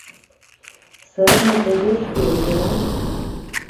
Сырымет огеш кӱл, йӧра?